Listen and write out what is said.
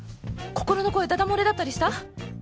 心の声ダダ漏れだったりした？